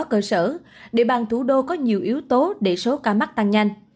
hà nội có cơ sở địa bàn thủ đô có nhiều yếu tố để số ca mắc tăng nhanh